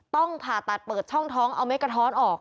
ต้องผ่าตัดเปิดช่องท้องเอาเม็ดกระท้อนออก